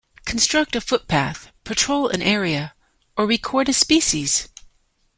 'construct a footpath', 'patrol an area' or 'record a species'.